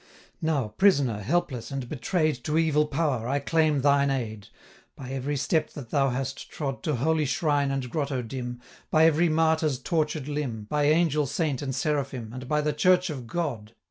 'Now, prisoner, helpless, and betray'd To evil power, I claim thine aid, By every step that thou hast trod 650 To holy shrine and grotto dim, By every martyr's tortured limb, By angel, saint, and seraphim, And by the Church of God!